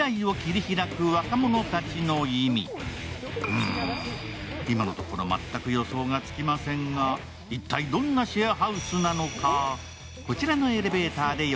うん、今のところ全く予想がつきませんが、一体どんなシェアハウスなのか。